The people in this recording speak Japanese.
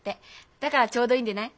だからちょうどいいんでない？